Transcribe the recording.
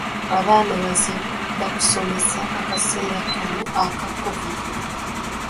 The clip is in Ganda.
Abaana bazibu baakusomesa mu kaseera kano aka COVID.